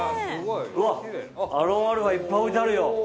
うわっアロンアルフアいっぱい置いてあるよ。